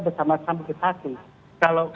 bersama sama ke satu